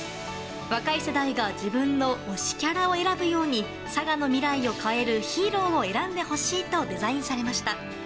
若い世代が自分の推しキャラを選ぶように佐賀の未来を変えるヒーローを選んでほしいとデザインされました。